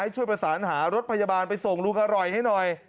ช่วยประสานหารถพยาบาลไปส่งลุงอร่อยให้หน่อย